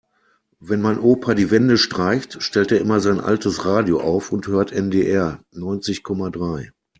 Wenn mein Opa die Wände streicht, stellt er immer sein altes Radio auf und hört NDR neunzig Komma drei.